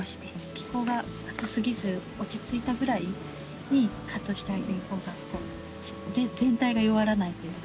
気候が暑すぎず落ち着いたぐらいにカットしてあげるほうが全体が弱らないっていうのか。